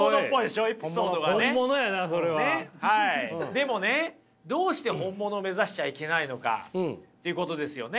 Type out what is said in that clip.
でもねどうして本物を目指しちゃいけないのかということですよね。